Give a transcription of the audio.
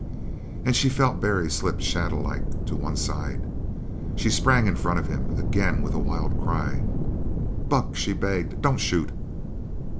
And she felt Barry slip shadowlike to one side. She sprang in front of him again with a wild cry. "Buck!" she begged, "don't shoot!"